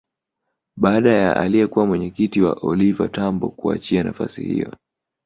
Baada ya aliyekuwa mwenyekiti wake Oliva Tambo kuachia nafasi hiyo